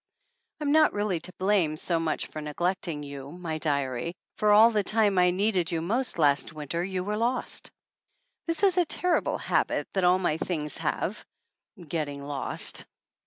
I'm not really to blame so much for neglecting you, my diary, for all the time I needed you most last winter you were lost. This is a terrible habit that all my things have getting lost.